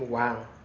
dia mau pinjam uang